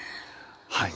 はい。